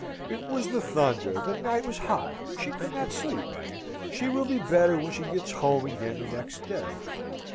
It was the thunder: the night was hot: she could not sleep: she will be better when she gets home again the next day.